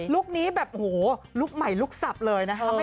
คนี้แบบโอ้โหลุคใหม่ลูกสับเลยนะคะ